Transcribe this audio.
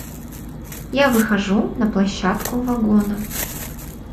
Я выхожу на площадку вагона.